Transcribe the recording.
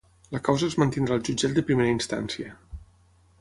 La causa es mantindrà al jutjat de primera instància